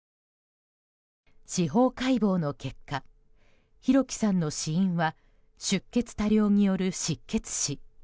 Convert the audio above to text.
司法解剖の結果弘輝さんの死因は出血多量による失血死。